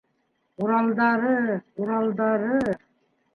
Уралдары, Уралдары